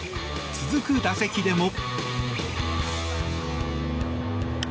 続く打席でも。